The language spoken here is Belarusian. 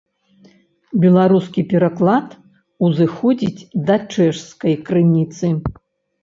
Беларускі пераклад узыходзіць да чэшскай крыніцы.